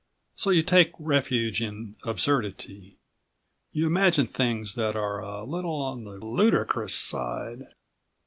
So you take refuge in absurdity, you imagine things that are a little on the ludicrous side.